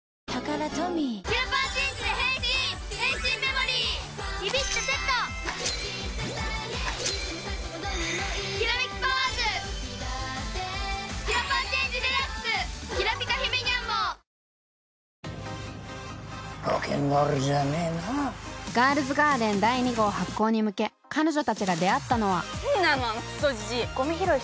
ナツ：『ガールズガーデン』第２号発行に向け彼女たちが出会ったのはなんなのあのクソジジイ。